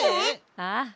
ああ。